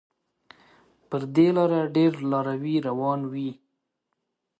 پر دې لاره ډېر لاروي روان وي.